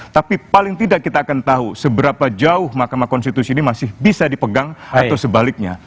tapi paling tidak kita akan tahu seberapa jauh mahkamah konstitusi ini masih bisa dipegang atau sebaliknya